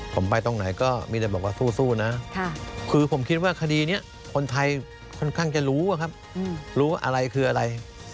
ผมไปตรงไหนก็มีแต่บอกว่าสู้นะคือผมคิดว่าคดีนี้คนไทยค่อนข้างจะรู้อะครับรู้อะไรคืออะไร